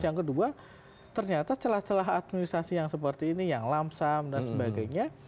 yang kedua ternyata celah celah administrasi yang seperti ini yang lamsam dan sebagainya